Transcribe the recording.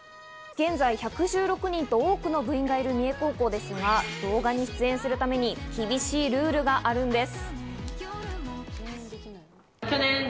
現在１１６人と多くの部員がいる三重高校ですが、出演するために厳しいルールがあるんです。